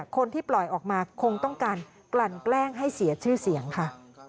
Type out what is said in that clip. คนที่ปล่อยออกมาคงต้องการกลั่นแกล้งให้เสียชื่อเสียงค่ะ